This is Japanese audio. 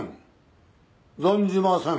存じません。